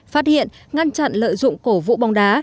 phát hiện ngăn chặn lợi dụng cổ vũ bóng đá